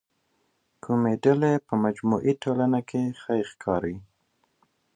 کومې ډلې په مجموعي ټولنه کي ښه ښکاري؟